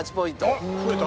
あっ増えた。